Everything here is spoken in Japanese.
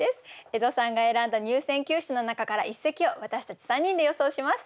江戸さんが選んだ入選九首の中から一席を私たち３人で予想します。